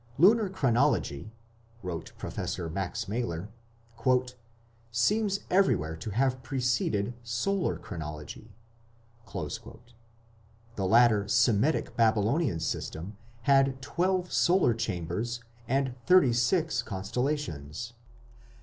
"Lunar chronology", wrote Professor Max Mailer, "seems everywhere to have preceded solar chronology." The later Semitic Babylonian system had twelve solar chambers and the thirty six constellations.